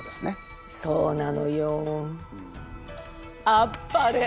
あっぱれ！